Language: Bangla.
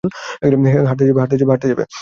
হাঁটতে যাবে?